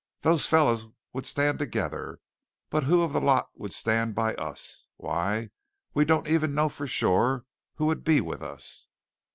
"Those fellows would stand together, but who of the lot would stand by us? Why, we don't even know for sure who would be with us."